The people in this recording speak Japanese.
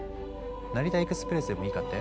成田エクスプレスでもいいかって？